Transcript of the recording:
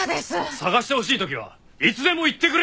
捜してほしい時はいつでも言ってくれ！